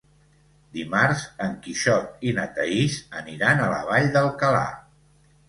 Dimarts en Quixot i na Thaís aniran a la Vall d'Alcalà.